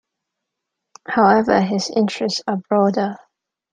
However, his interests are broader.